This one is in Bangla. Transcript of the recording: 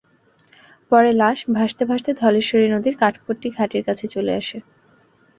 পরে লাশ ভাসতে ভাসতে ধলেশ্বরী নদীর কাঠপট্টি ঘাটের কাছে চলে আসে।